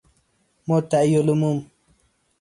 مدعی العموم